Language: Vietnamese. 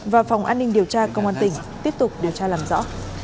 và phòng an ninh điều tra công an tỉnh tiếp tục điều tra làm rõ